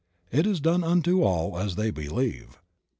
It is done unto all as they believe.